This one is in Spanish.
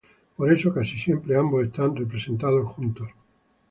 Por eso casi siempre ambos están representados juntos.